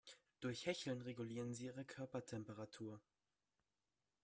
Durch Hecheln regulieren sie ihre Körpertemperatur.